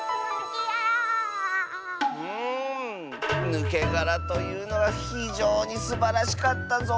「ぬけがら」というのはひじょうにすばらしかったぞ。